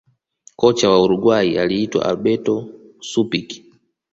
kocha wa uruguay aliitwa alberto suppici